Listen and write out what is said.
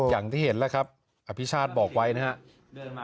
อย่างที่เห็นแล้วครับอภิชาติบอกไว้นะครับ